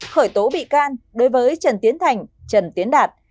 khởi tố bị can đối với trần tiến thành trần tiến đạt